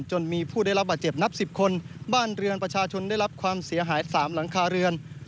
จนมีผู้ได้รับบาดเจ็บนับ๑๐คนบ้านเรือนประชาชนได้รับความเสียหาย๓หลังคาเรือน